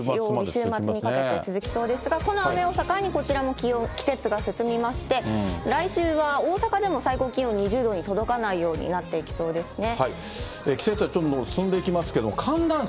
週末にかけて続きそうですが、この雨を境にこちらも気温、季節が進みまして、来週は大阪でも最高気温２０度に届かないようになっていきそうですね。